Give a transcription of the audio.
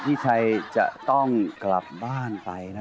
พี่ชัยจะต้องกลับบ้านไปนะ